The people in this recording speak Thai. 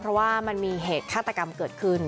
เพราะว่ามันมีเหตุฆาตกรรมเกิดขึ้น